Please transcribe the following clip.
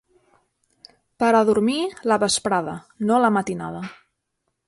Per a dormir, la vesprada, no la matinada.